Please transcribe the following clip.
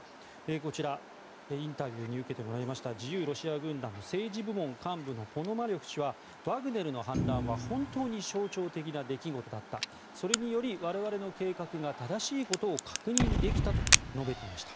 こちら、インタビューを受けてもらいました自由ロシア軍団の政治部門幹部のポノマリョフ氏はワグネルの反乱は本当に象徴的な出来事だったそれにより我々の計画が正しいことを確認できたと述べていました。